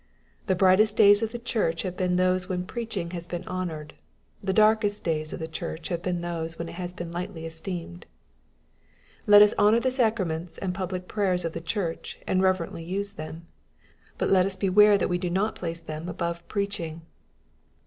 The brightest days of the Church have been those when preaching has been honored. The darkest days of the Church have been those when it has been lightly esteemed. Let us honor the sacraments and public prayers of the Church, and reverently use them. But let us beware that we do not place them above preaching.